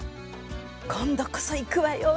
今度こそ行くわよ